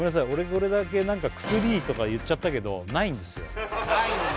これだけなんか「クスリー」とか言っちゃったけどないんですよないんだ